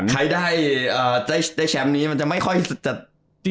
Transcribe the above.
ใครได้แชมป์นี้มันจะไม่ค่อยจะ